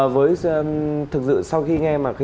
với thực sự sau khi nghe